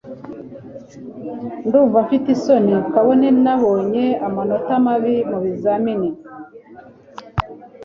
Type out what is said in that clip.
ndumva mfite isoni kubona nabonye amanota mabi mubizamini